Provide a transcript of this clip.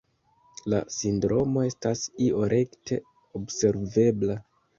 La sindromo estas io rekte observebla.